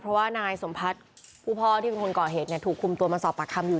เพราะนายสมภัฐพูดพอแบบที่เป็นคนก่อเหตุก็คุมตัวมาสอบปากคำอยู่